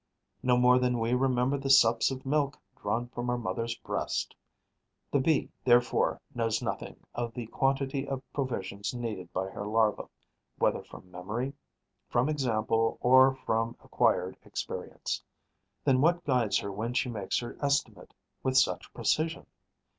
No more than we remember the sups of milk drawn from our mother's breast. The Bee, therefore, knows nothing of the quantity of provisions needed by her larva, whether from memory, from example or from acquired experience. Then what guides her when she makes her estimate with such precision?